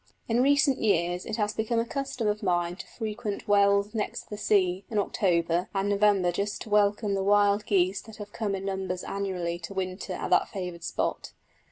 In recent years it has become a custom of mine to frequent Wells next the Sea in October and November just to welcome the wild geese that come in numbers annually to winter at that favoured spot.